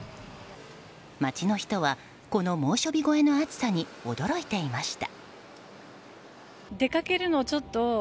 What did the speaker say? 街の人はこの猛暑日超えの暑さに驚いていました。